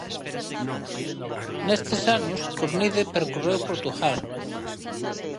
Nestes anos Cornide percorreu Portugal.